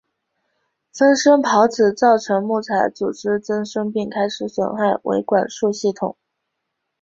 分生孢子造成木材组织增生并开始损害维管束系统。